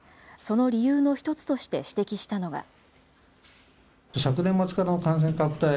その理由の一つとして指摘したのが。